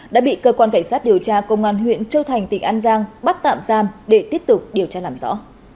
đã bị cơ quan cảnh sát điều tra công an huyện châu thành tỉnh an giang bắt tạm giam để tiếp tục điều tra làm rõ